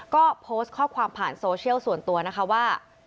ก็โพสต์ข้อความผ่านโซเชียลส่วนตัวนะคะว่า